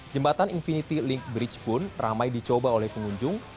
jembatan infinity link bridge pun ramai dicoba oleh pengunjung